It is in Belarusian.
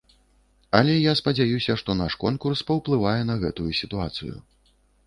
Але я спадзяюся, што наш конкурс паўплывае на гэтую сітуацыю.